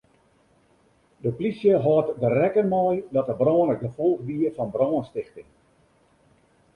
De plysje hâldt der rekken mei dat de brân it gefolch wie fan brânstichting.